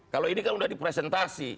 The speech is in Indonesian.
kalau ini kan sudah dipresentasi